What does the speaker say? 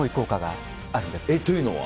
というのは？